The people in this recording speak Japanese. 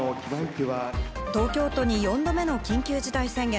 東京都に４度目の緊急事態宣言。